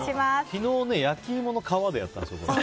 昨日ね、焼き芋の皮でやったんですよ。